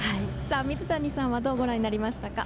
水谷さんはどうご覧になりましたか？